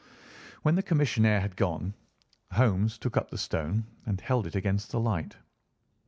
When the commissionaire had gone, Holmes took up the stone and held it against the light.